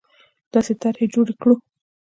داسې طرحې جوړې کړو